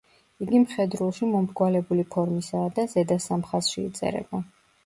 იგი მხედრულში მომრგვალებული ფორმისაა და ზედა სამ ხაზში იწერება.